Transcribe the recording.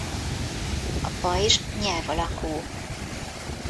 A pajzs nyelv alakú.